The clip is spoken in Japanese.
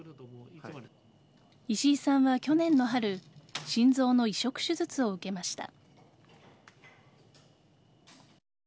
石井さんは去年の春心臓の移植手術を受けました。